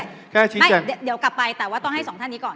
ไม่เดี๋ยวกลับไปแต่ว่าต้องให้สองท่านนี้ก่อน